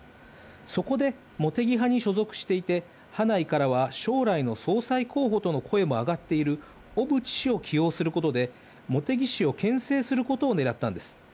そこで茂木派に所属していて、派内からは将来の総裁候補との声も上がっている小渕氏を起用することで、茂木氏をけん制することをねらったんです。